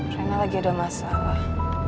rena lagi ada masalah